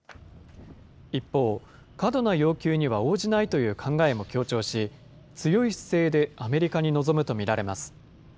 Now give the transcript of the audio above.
一方、過度な要求には応じないという考えも強調し、強い姿勢でアメリカに臨むと見られます。